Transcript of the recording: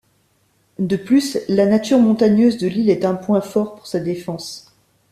De plus, la nature montagneuse de l'île est un point fort pour sa défense.